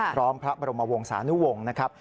พร้อมพระบรมวงศานุวงศ์นะครับ